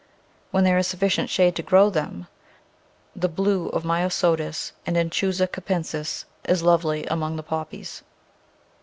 When there is sufficient shade to grow them the blue of Myosotis and of Anchusa capensis is lovely among the Poppies.